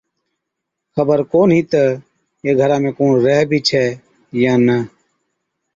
خبر ڪونهِي تہ اي گھرا ۾ ڪُوڻ ريهَي بِي ڇَي يان نہ۔